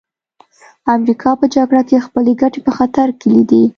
امریکا په جګړه کې خپلې ګټې په خطر کې لیدې